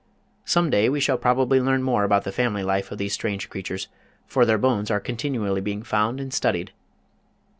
Some day we shall probably learn more about the family life of these strange creatures, for their bones are continually being found and studied.